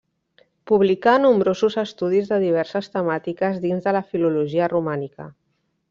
Publicà nombrosos estudis de diverses temàtiques dins de la filologia romànica.